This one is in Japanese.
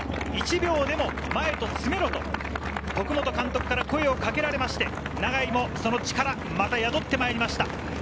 １秒でも前と詰めろと徳本監督から声をかけられて、永井もその力が宿ってきました。